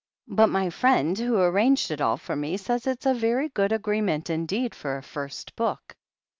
But my friend, who arranged it all for me, says it's a very good agreement indeed for a first book."